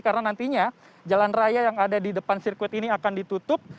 karena nantinya jalan raya yang ada di depan sirkuit ini akan ditutup